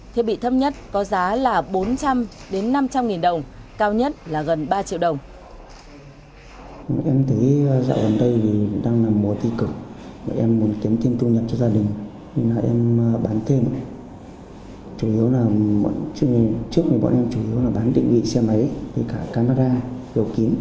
thiết bị thấp nhất có giá là bốn trăm linh năm trăm linh nghìn đồng cao nhất là gần ba triệu đồng